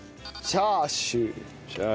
チャーシュー。